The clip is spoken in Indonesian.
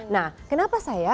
nah kenapa saya